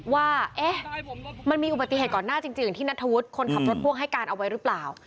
ว่ามันมีอุบัติเหตุก่อนหน้าจริงอย่างที่นัทธวุฒิคนขับรถพ่วงให้การเอาไว้หรือเปล่า